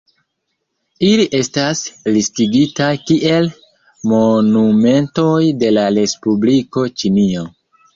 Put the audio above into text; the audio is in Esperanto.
Ili estas listigitaj kiel monumentoj de la respubliko Ĉinio.